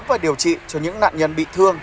và điều trị cho những nạn nhân bị thương